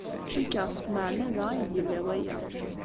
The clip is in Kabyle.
Cikkeɣ s tmeɛmada ay d-yella waya.